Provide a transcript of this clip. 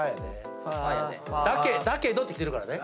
だけどってきてるからね。